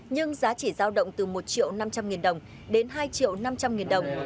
nhưng giá chỉ giao động từ một triệu năm trăm linh nghìn đồng đến hai triệu năm trăm linh nghìn đồng